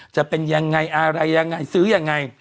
จะเป็นอย่างไรอะไรอย่างไรซื้อย่างไร